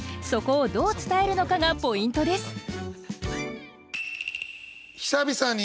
そこをどう伝えるのかがポイントです。